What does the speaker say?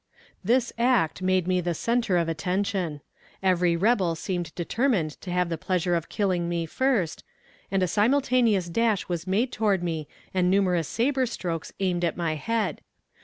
This act made me the center of attraction. Every rebel seemed determined to have the pleasure of killing me first, and a simultaneous dash was made toward me and numerous saber strokes aimed at my head.